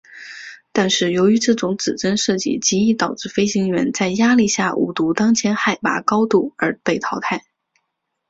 但是由于这种指针设计极易导致飞行员在压力下误读当前海拔高度而被淘汰。